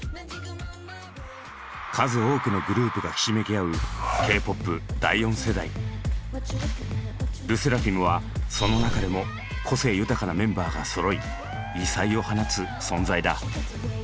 数多くのグループがひしめき合うＬＥＳＳＥＲＡＦＩＭはその中でも個性豊かなメンバーがそろい異彩を放つ存在だ。